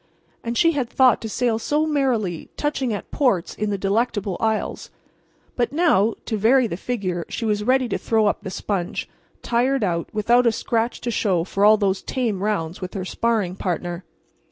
And she had thought to sail so merrily, touching at ports in the Delectable Isles! But now, to vary the figure, she was ready to throw up the sponge, tired out, without a scratch to show for all those tame rounds with her sparring partner.